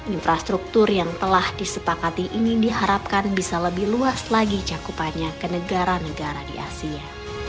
infrastruktur yang telah disepakati ini diharapkan bisa lebih luas lagi cakupannya ke negara negara di asia